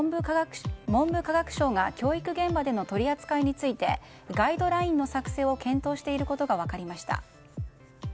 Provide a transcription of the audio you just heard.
文部科学省が教育現場での取り扱いについてガイドラインの作成を検討していることが分かりました。